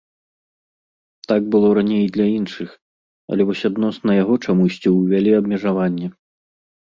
Так было раней і для іншых, але вось адносна яго чамусьці ўвялі абмежаванне.